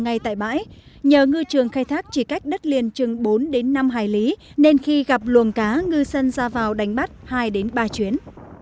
ngay tại bãi nhờ ngư trường khai thác chỉ cách đất liền chừng bốn đến năm hải lý nên khi gặp luồng cá ngư dân ra vào đánh bắt hai đến ba chuyến